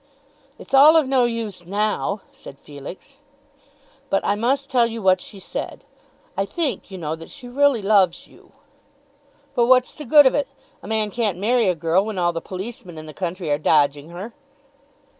"It's all of no use now," said Felix. "But I must tell you what she said. I think, you know, that she really loves you." "But what's the good of it? A man can't marry a girl when all the policemen in the country are dodging her."